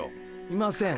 いません。